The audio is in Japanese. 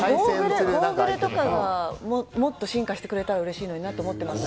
ゴーグルなんかがもっと進化してくれたらうれしいのになと思ってます。